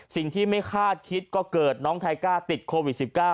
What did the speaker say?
สิ่งที่ไม่คาดคิดก็เกิดน้องไทก้าติดโควิด๑๙